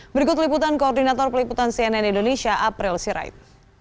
berikut liputan koordinator peliputan cnn indonesia april sirait